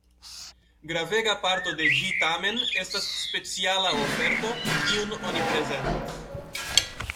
Gravega parto de ĝi tamen estas speciala oferto, kiun oni prezentas.